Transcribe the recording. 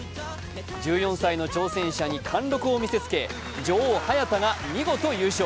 １４歳の挑戦者に貫禄を見せつけ、女王・早田が見事優勝。